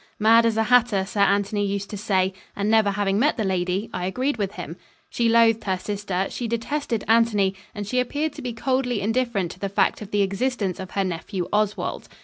"Mad as a hatter," Sir Anthony used to say, and, never having met the lady, I agreed with him. She loathed her sister, she detested Anthony, and she appeared to be coldly indifferent to the fact of the existence of her nephew Oswald.